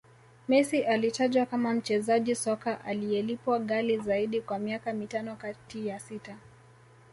Messi alitajwa kama mchezaji soka anayelipwa ghali Zaidi kwa miaka mitano kati ya sita